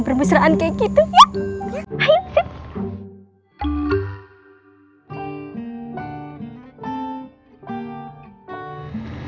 bermusraan kayak gitu yuk